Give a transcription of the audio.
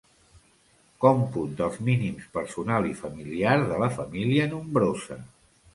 Còmput dels mínims personal i familiar de la família nombrosa.